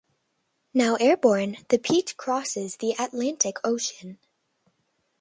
Now airborne, the peach crosses the Atlantic Ocean.